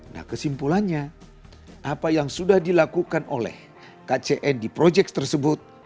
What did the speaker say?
nah kesimpulannya apa yang sudah dilakukan oleh kcn di proyek tersebut